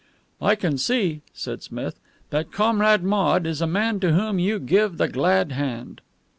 "I can see," said Smith, "that Comrade Maude is a man to whom you give the glad hand."